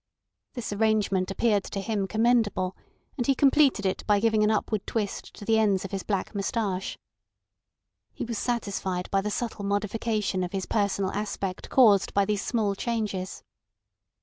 This arrangement appeared to him commendable, and he completed it by giving an upward twist to the ends of his black moustache. He was satisfied by the subtle modification of his personal aspect caused by these small changes.